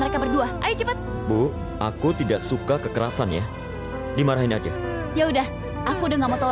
kenapa bapak gak dukung aku